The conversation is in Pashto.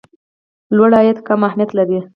لوړ عاید کم اهميت لري.